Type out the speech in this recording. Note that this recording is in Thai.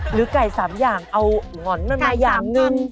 หรือไก่สามอย่างเอาหอนมันมาอย่างหนึ่ง